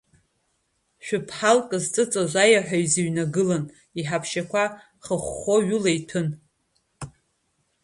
Шәы-ԥҳалк зҵыҵуаз аеҳәа изыҩнагылан, иҳаԥшьақәа хыхәхәо ҩыла иҭәын.